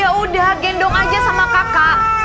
ya udah gendong aja sama kakak